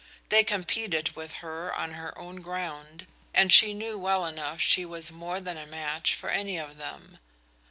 They competed with her on her own ground, and she knew well enough she was more than a match for any of them.